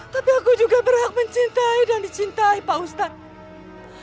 tapi aku juga berhak mencintai dan dicintai pak ustadz